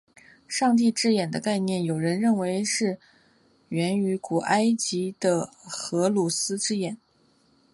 上帝之眼的概念有人认为是源自古埃及的荷鲁斯之眼。